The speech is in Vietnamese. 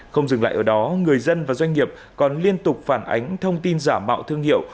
không dừng lại ở đó người dân và doanh nghiệp còn liên tục phản ánh thông tin giả mạo thương hiệu